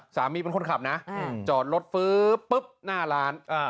เป็นคนขับนะจอดรถฟื้อปุ๊บหน้าร้าน